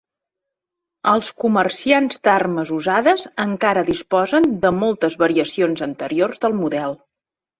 Els comerciants d'armes usades encara disposen de moltes variacions anteriors del model.